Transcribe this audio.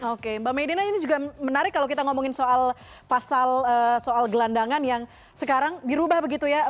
oke mbak medina ini juga menarik kalau kita ngomongin soal pasal soal gelandangan yang sekarang dirubah begitu ya